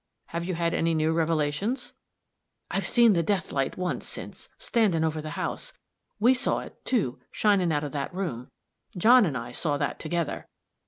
Have you had any new revelations?" "I've seen the death light once since, standing over the house; we saw it, too, shinin' out of that room John and I saw that together.